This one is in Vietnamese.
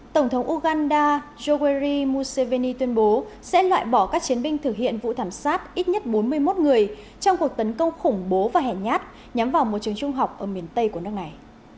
tổng thống uganda jogwari musseveni tuyên bố sẽ loại bỏ các chiến binh thực hiện vụ thảm sát ít nhất bốn mươi một người trong cuộc tấn công khủng bố và hẻ nhát nhắm vào một trường trung học ở miền tây của nước này